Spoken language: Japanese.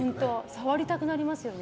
触りたくなりますよね？